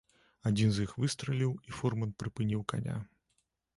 Адзін з іх выстраліў, і фурман прыпыніў каня.